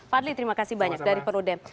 fadli terima kasih banyak dari perudem